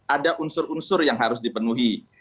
ada unsur unsur yang harus dipenuhi